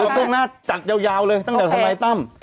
ช่วงหน้าจัดยาวเลยตั้งแต่ทนายตั้ม